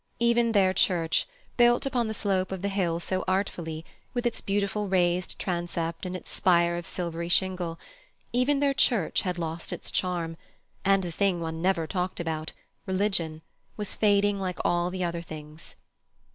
Even their church, built upon the slope of the hill so artfully, with its beautiful raised transept and its spire of silvery shingle—even their church had lost its charm; and the thing one never talked about—religion—was fading like all the other things.